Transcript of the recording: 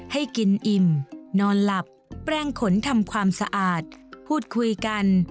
ให้กินอิ่มนอนหลับแปลงขนทำความสะอาดพูดคุยกัน